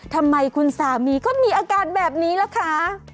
ทำไมคุณสามีก็มีอาการแบบนี้ล่ะคะ